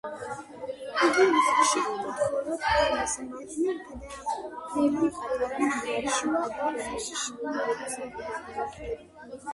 იგი ნუსხურში კუთხოვანი ფორმისაა, მარჯვნივ გადახრილია და შუა ორ ხაზშია მოთავსებული.